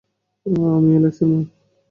আমি অ্যালেক্সের মা।